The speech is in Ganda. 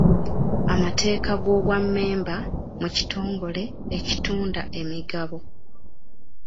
Amateeka g'obwa mmemba mu kitongole ekitunda emigabo.